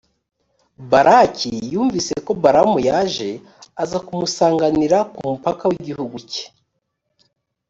balaki yumvise ko balamu yaje, aza kumusanganirira ku mupaka w’igihugu cye.